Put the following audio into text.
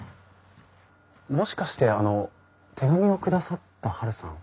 もしかしてあの手紙を下さったはるさん？